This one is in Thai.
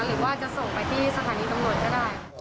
หรือว่าจะส่งไปที่สถานีตำรวจก็ได้